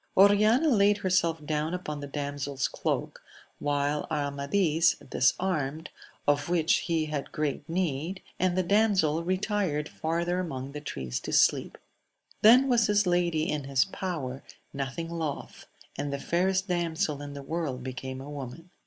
Oriana laid herself down upon the damsePs cloak, while Amadis disarmed, of which he had great need, and the damsel retired far ther among the trees to sleep. Then was his lady in his power, nothing loth ; and the fairest damsel in the world became a woman.